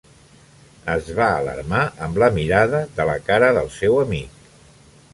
Es va alarmar amb la mirada de la cara del seu amic.